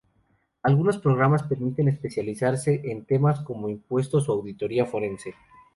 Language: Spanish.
Algunos programas permiten especializarse en temas como Impuestos o Auditoría Forense.